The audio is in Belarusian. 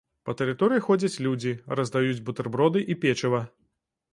Па тэрыторыі ходзяць людзі, раздаюць бутэрброды і печыва.